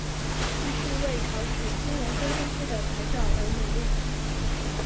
继续为考取金融分析师的牌照而努力。